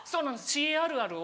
ＣＡあるあるを。